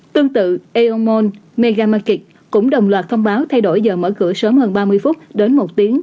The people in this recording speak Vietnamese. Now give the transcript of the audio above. tương tự eomol megamarket cũng đồng loạt thông báo thay đổi giờ mở cửa sớm hơn ba mươi phút đến một tiếng